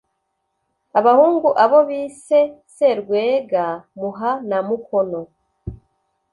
abahungu, abo bise serwega, muha, na mukono